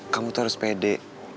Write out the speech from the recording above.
kamu tuh harus pede